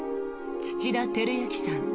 土田晃之さん